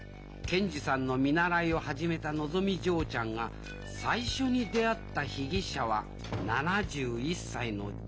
検事さんの見習いを始めたのぞみ嬢ちゃんが最初に出会った被疑者は７１歳のじいさんでありました